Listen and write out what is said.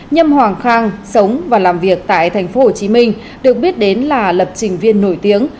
nhâm hoàng khang sống và làm việc tại tp hcm được biết đến là lập trình viên nổi tiếng